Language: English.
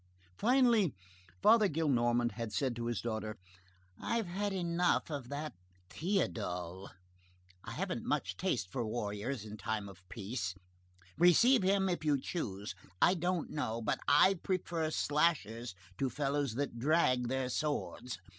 Finally, Father Gillenormand had said to his daughter: "I've had enough of that Théodule. I haven't much taste for warriors in time of peace. Receive him if you choose. I don't know but I prefer slashers to fellows that drag their swords.